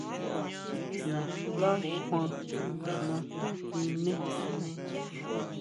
Naská kjuan naxú siné.